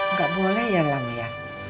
nggak boleh ya ramya